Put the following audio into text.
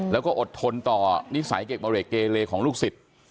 แล้วก็อดทนต่อนิสัยเกรกบริเวศเกรเลของลูกสิทธิ์